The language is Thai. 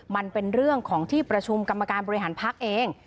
มันเป็นเรื่องของที่ประชุมกรรมการบริหารพักเอง